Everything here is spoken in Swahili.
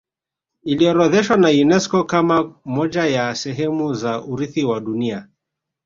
iliorodheshwa na unesco kama moja ya sehemu za urithi wa dunia